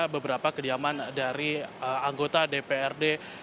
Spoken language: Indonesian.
beberapa kediaman dari anggota dprd